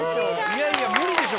いやいや無理でしょ